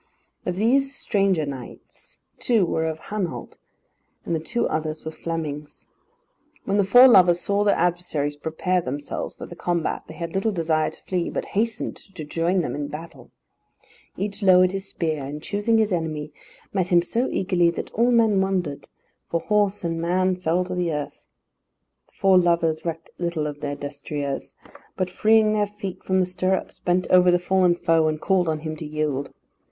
Of these stranger knights two were of Hainault, and the two others were Flemings. When the four lovers saw their adversaries prepare themselves for the combat, they had little desire to flee, but hastened to join them in battle. Each lowered his spear, and choosing his enemy, met him so eagerly that all men wondered, for horse and man fell to the earth. The four lovers recked little of their destriers, but freeing their feet from the stirrups bent over the fallen foe, and called on him to yield.